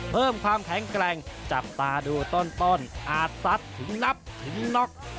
เพิ่มความแข็งแกร่งจับตาดูต้นอาจซัดถึงนับถึงน็อก